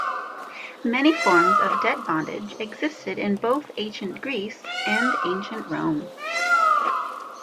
Many forms of debt bondage existed in both ancient Greece and ancient Rome.